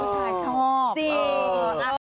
อ๋อชายชอบ